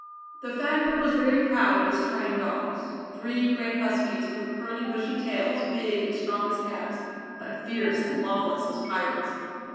The Factor was very proud of his train Dogs three great Huskies with curly, bushy tails, big and strong as Calves, but fierce and lawless as pirates.